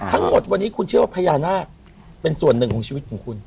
ทั้งหมดวันนี้คุณเชื่อว่าพญานาคเป็นส่วนหนึ่งของชีวิตของคุณ